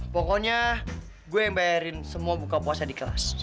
pokoknya gue yang bayarin semua buka puasa di kelas